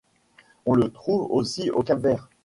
On le trouve aussi au Cap-Vert.